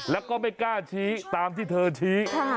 แล้วก็ไม่กล้าชี้ตามที่เธอชี้